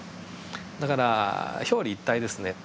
だから表裏一体ですね。